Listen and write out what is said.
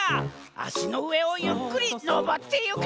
あしのうえをゆっくりのぼってゆけ！